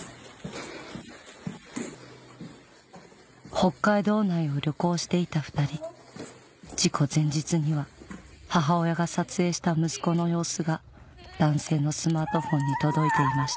北海道内を旅行していた２人事故前日には母親が撮影した息子の様子が男性のスマートフォンに届いていました